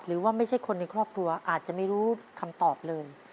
หรือว่าไม่ใช่คนในครอบครัวอาจจะไม่รู้คำตอบเลย